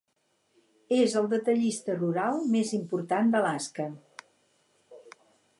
És el detallista rural més important d'Alaska.